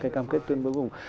cái cam kết tuyên bố cuối cùng